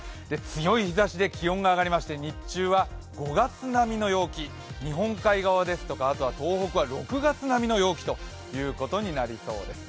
強い日ざしで気温が上がりまして日中は５月並みの陽気、日本海側ですとか東北は６月並みの陽気となりそうです。